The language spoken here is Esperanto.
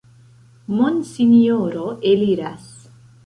Monsinjoro eliras!